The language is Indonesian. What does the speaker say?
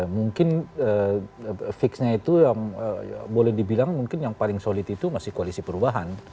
mungkin fixnya itu yang boleh dibilang mungkin yang paling solid itu masih koalisi perubahan